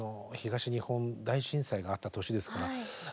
東日本大震災があった年ですから。